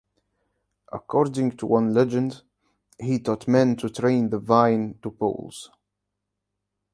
According to one legend, he taught men to train the vine to poles.